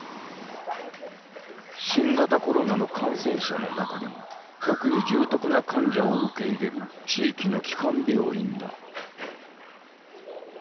新型コロナの感染者の中でも特に重篤な患者を受け入れる地域の基幹病院だ。